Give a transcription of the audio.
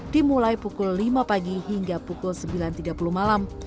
dimulai pukul lima pagi hingga pukul sembilan tiga puluh malam